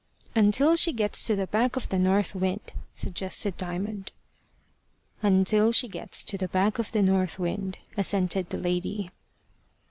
"Until she gets to the back of the north wind," suggested Diamond. "Until she gets to the back of the north wind," assented the lady.